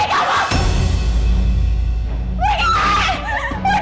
selalu lah sampai diaarinya